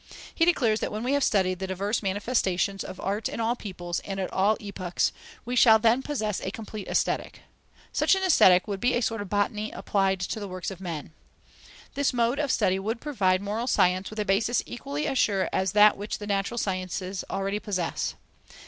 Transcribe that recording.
He declares that when we have studied the diverse manifestations of art in all peoples and at all epochs, we shall then possess a complete Aesthetic. Such an Aesthetic would be a sort of Botany applied to the works of man. This mode of study would provide moral science with a basis equally as sure as that which the natural sciences already possess.